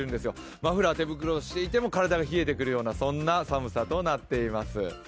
マフラー、手袋をしていても体が冷えてくるようなそんな寒さとなっています。